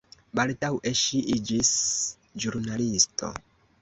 Baldaŭe ŝi iĝis ĵurnalisto.